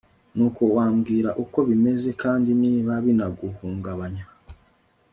nuko wambwira uko bimeze kandi niba binaguhungabanya